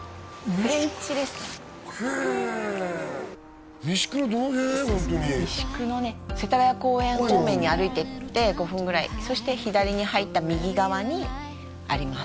ホントに三宿のね世田谷公園方面に歩いてって５分くらいそして左に入った右側にあります